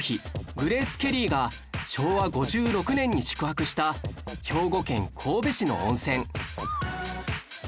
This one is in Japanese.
グレース・ケリーが昭和５６年に宿泊した兵庫県神戸市の温泉